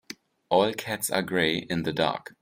All cats are grey in the dark.